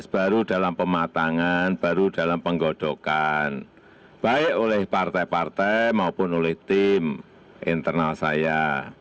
baru dalam pematangan baru dalam penggodokan baik oleh partai partai maupun oleh tim internal saya